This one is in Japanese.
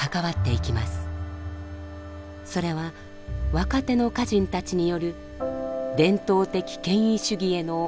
それは若手の歌人たちによる伝統的権威主義への改革運動でした。